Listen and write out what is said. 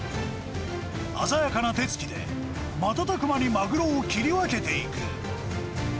鮮やかな手つきで、瞬く間にマグロを切り分けていく。